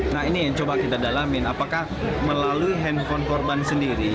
nah ini yang coba kita dalamin apakah melalui handphone korban sendiri